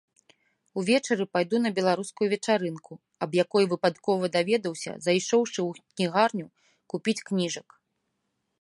Увечары пайду на беларускую вечарынку, аб якой выпадкова даведаўся, зайшоўшы ў кнігарню купіць кніжак.